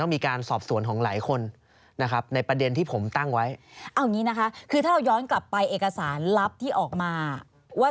มีครับก็เดี๋ยวที่บอกไว้ครับว่า